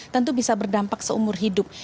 tentu bisa berdampak seumur hidup